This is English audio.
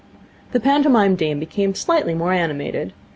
The pantomime dame became slightly more animated.